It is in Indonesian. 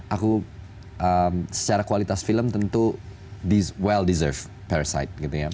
aku secara kualitas film tentu well deserve parasite gitu ya